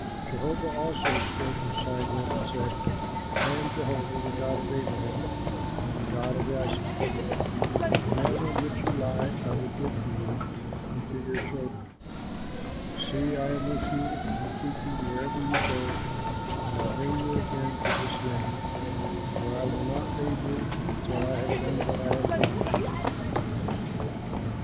Jehovah also stood beside him and said, "I am Jehovah, the God of Abraham and the God of Isaac. The land on which you lie I will give to you and to your children. See, I am with you, and will keep you wherever you go and will bring you again to this land; for I will not leave you until I have done what I have promised you."